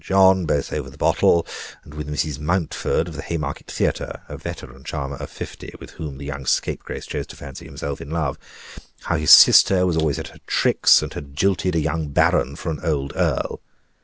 John, both over the bottle, and with Mrs. Mountford, of the Haymarket Theatre (a veteran charmer of fifty, with whom the young scapegrace chose to fancy himself in love); how his sister was always at her tricks, and had jilted a young baron for an old earl.